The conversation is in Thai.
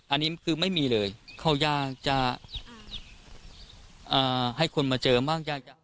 อันนี้คือไม่มีเลยเขายากจะให้คนมาเจอบ้างยาก